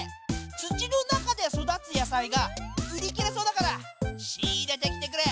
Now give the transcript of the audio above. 土の中で育つ野菜が売り切れそうだから仕入れてきてくれ。